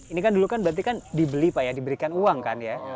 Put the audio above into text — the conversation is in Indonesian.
ini kan dulu kan berarti kan dibeli pak ya diberikan uang kan ya